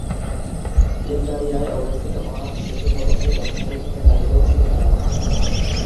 গেণ্ডারিয়ায় অবস্থিত অনাথ শিশু ভবনটির রক্ষণাবেক্ষণের দায়িত্বও ছিল তার।